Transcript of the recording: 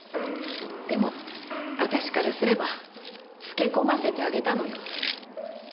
でも私からすればつけ込ませてあげたのよ。